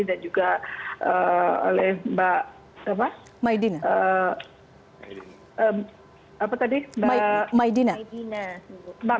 dan juga oleh mbak